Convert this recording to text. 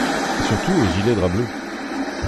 Surtout et gilet drap bleu.